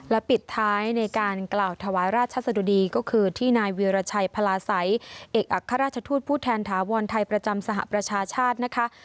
และปิดท้ายในการกล่าวถวายราชสะดุดีก็คือที่นายเวียรชัยพลาสัยเอกอัครราชทูตผู้แทนถาวรไทยประจำสหประชาชาตินะคะ